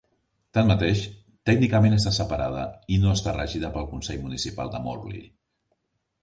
Tanmateix, tècnicament està separada i no està regida pel consell municipal de Morley.